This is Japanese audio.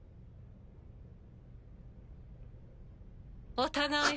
・お互い。